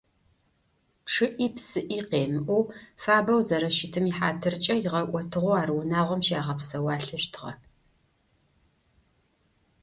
Чъыӏи-псыӏи къемыоу, фабэу зэрэщытым ихьатыркӏэ игъэкӏотыгъэу ар унагъом щагъэпсэуалъэщтыгъэ.